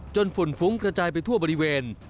ฝุ่นฟุ้งกระจายไปทั่วบริเวณ